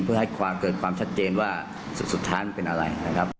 เพื่อให้เกิดความชัดเจนว่าสุดท้านเป็นอะไร